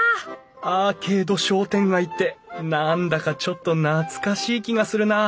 アーケード商店街って何だかちょっと懐かしい気がするな。